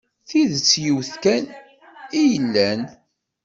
Tidett yiwet kan i yellan.